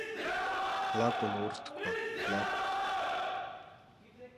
Лакәын урҭқәа, лакә!